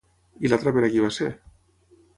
I l'altra per a qui va ser?